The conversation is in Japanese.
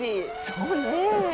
そうね。